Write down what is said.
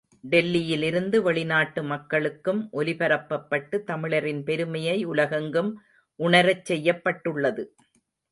டெல்லியிலிருந்து வெளிநாட்டு மக்களுக்கும் ஒலிபரப்பப்பட்டு, தமிழரின் பெருமையை உலகெங்கும் உணரச் செய்யப்பட்டுள்ளது.